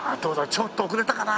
ちょっと遅れたかな？